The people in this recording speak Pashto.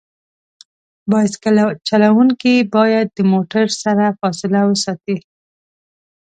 بایسکل چلونکي باید د موټرو سره فاصله وساتي.